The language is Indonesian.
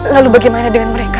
lalu bagaimana dengan mereka